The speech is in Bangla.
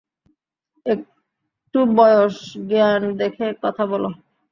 একটু বয়সজ্ঞান দেখে কথা বলো।